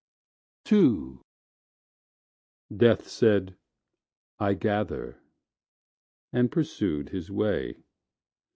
II Death said, I gather, and pursued his way.